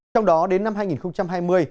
trong đó đến năm hai nghìn hai mươi